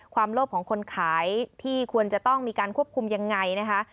โลภของคนขายที่ควรจะต้องมีการควบคุมยังไงนะคะ